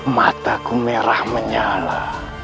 mataku merah menyala